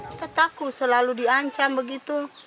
kita takut selalu diancam begitu